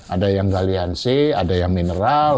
ada yang galiansi ada yang mineral